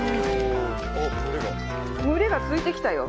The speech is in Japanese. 群れがついてきたよ。